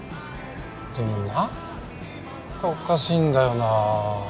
でもなんかおかしいんだよなあ。